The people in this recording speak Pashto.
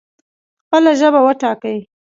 خپله ژبه وټاکئ